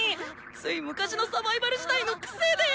つい昔のサバイバル時代のクセで！